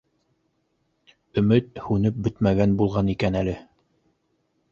Өмөт һүнеп бөтмәгән булған икән әле.